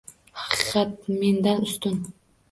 «Haqiqat mendan ustun»